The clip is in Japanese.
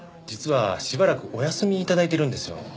実はしばらくお休み頂いてるんですよ。